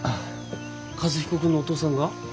和彦君のお父さんが？